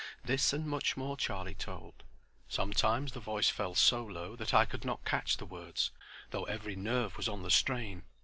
This and much more Charlie told. Sometimes the voice fell so low that I could not catch the words, though every nerve was on the strain.